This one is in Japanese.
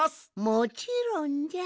もちろんじゃ。